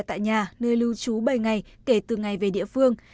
tại nhà nơi lưu trú bảy ngày kể từ ngày về địa phương